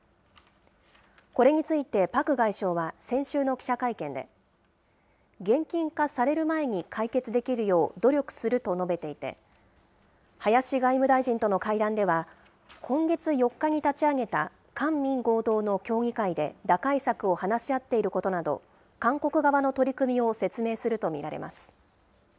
これについて、パク外相は先週の記者会見で、現金化される前に解決できるよう努力すると述べていて、林外務大臣との会談では、今月４日に立ち上げた官民合同の協議会で、打開策を話し合っていることなど、韓国側の取り組みを説明すると見られます。